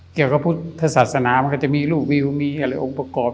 เกี่ยวกับพุทธศาสนามันก็จะมีรูปวิวมีอะไรองค์ประกอบ